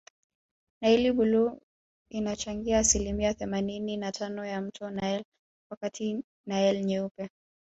Naili bluu inachangia asilimia themanini na tano ya mto nile wakati nile nyeupe